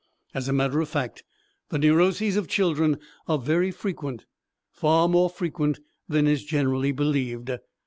As a matter of fact, the neuroses of children are very frequent, far more frequent than is generally believed.